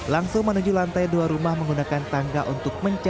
langsung menuju lantai dua rumah menggunakan tangga untuk mencari